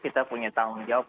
kita punya tanggung jawab